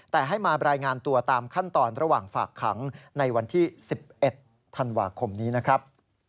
แต่ให้มารายงานตัวตามขั้นตอนระหว่างฝากขังในวันที่๑๑ธันวาคมนี้นะครับ